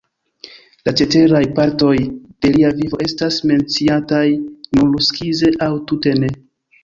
La ceteraj partoj de lia vivo estas menciataj nur skize aŭ tute ne.